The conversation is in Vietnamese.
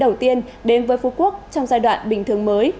đoàn khách du lịch quốc tế đầu tiên đến với phú quốc trong giai đoạn bình thường mới